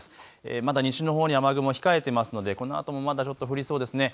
まだ西のほうに雨雲控えてますのでこのあともまだちょっと降りそうですね。